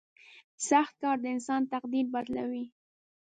• سخت کار د انسان تقدیر بدلوي.